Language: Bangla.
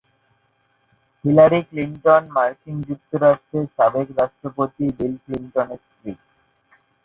হিলারি ক্লিনটন মার্কিন যুক্তরাষ্ট্রের সাবেক রাষ্ট্রপতি বিল ক্লিনটনের স্ত্রী।